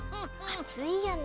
あついよね。